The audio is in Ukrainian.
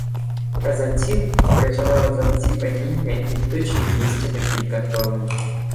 Казанців, спричинила заціпеніння і тишу в місті на кілька хвилин…